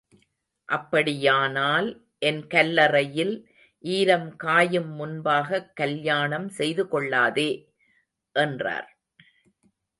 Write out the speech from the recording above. அப்படியானால், என் கல்லறையில் ஈரம் காயும் முன்பாகக் கல்யாணம் செய்துகொள்ளாதே? என்றார்.